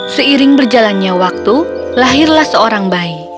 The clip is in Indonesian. seiring berjalannya waktu lahirlah seorang bayi